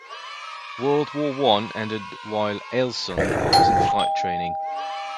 World War One ended while Eielson was in flight training.